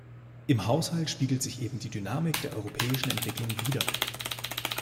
Im Haushalt spiegelt sich eben die Dynamik der europäischen Entwicklung wider.